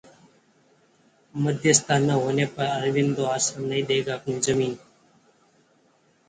Ayodhya case: मध्यस्थता न होने पर अरविंदो आश्रम नहीं देगा अपनी जमीन